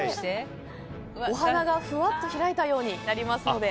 お花がふわっと開いたようになりますので。